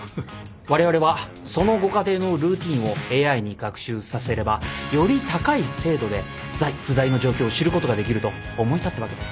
われわれはそのご家庭のルーティンをＡＩに学習させればより高い精度で在・不在の状況を知ることができると思い立ったわけです。